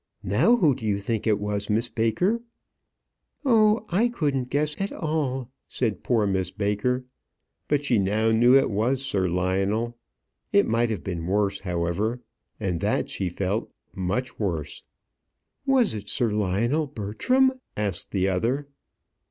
Now who do you think it was, Miss Baker?" "Oh, I couldn't guess at all," said poor Miss Baker. But she now knew that it was Sir Lionel. It might have been worse, however, and that she felt much worse! "Was it Sir Lionel Bertram?" asked the other.